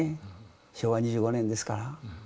昭和２５年ですから。